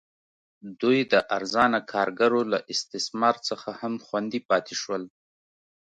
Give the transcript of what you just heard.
دوی د ارزانه کارګرو له استثمار څخه هم خوندي پاتې شول.